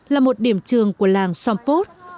là một điểm trường của làng xóm pốt